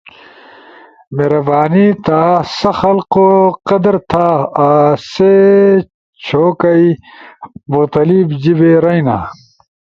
مہربانی تھا سا ضلقو قدر تھا ایسی چھو کئی مختلف جیب رئینا۔